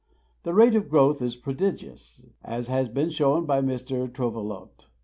The rate of growth is prodigious, as has been shown by Mr. Trovelot.